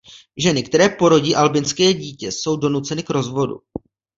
Ženy, které porodí albínské dítě, jsou donuceny k rozvodu.